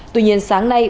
tuy nhiên sáng nay